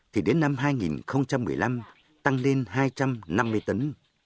thì đến năm hai nghìn một mươi năm tăng lên hai trăm năm mươi tấn